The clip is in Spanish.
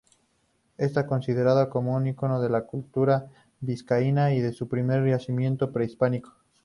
Está considerada como un icono de la cultura vizcaína y su principal yacimiento prehistórico.